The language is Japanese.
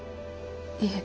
いえ。